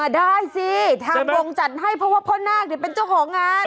ได้สิทางวงจัดให้เพราะว่าพ่อนาคเป็นเจ้าของงาน